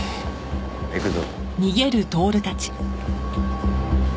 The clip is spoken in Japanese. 行くぞ。